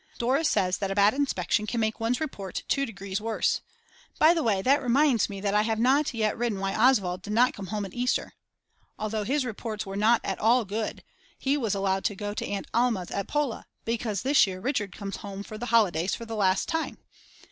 Dora says that a bad inspection can make one's report 2 degrees worse. By the way, that reminds me that I have not yet written why Oswald did not come home at Easter. Although his reports were not at all good, he was allowed to go to Aunt Alma's at Pola, because this year Richard comes home for the holidays for the last time.